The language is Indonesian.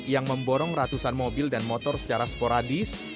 yang memborong ratusan mobil dan motor secara sporadis